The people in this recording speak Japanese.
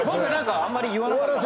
あんまり言わなかったから。